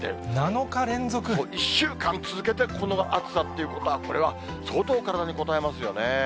１週間続けてこの暑さっていうことは、これは相当体にこたえますよね。